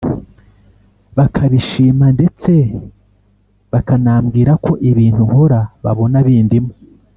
bakabishima ndetse bakanambwira ko ibintu nkora babona bindimo,